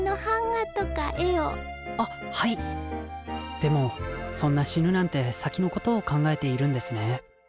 でもそんな死ぬなんて先のことを考えているんですね。